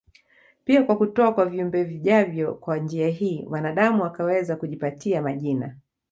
pia kwa kutoa kwa viumbe vijavyo Kwa njia hii wanaadamu wakaweza kujipatia majina